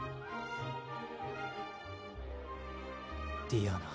ディアナ。